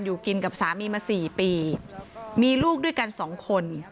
อยู่กินกับสามีมาสี่ปีมีลูกด้วยกันสองคน